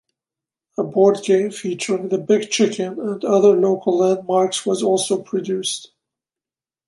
A board game featuring the Big Chicken and other local landmarks was also produced.